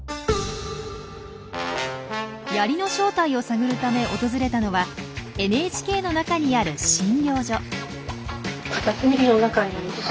ヤリの正体を探るため訪れたのはＮＨＫの中にある診療所。